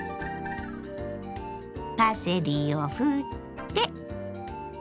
パセリをふって。